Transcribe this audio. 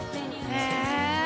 へえ！